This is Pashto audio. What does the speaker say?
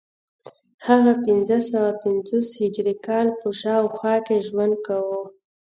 هغه د پنځه سوه پنځوس هجري کال په شاوخوا کې ژوند کاوه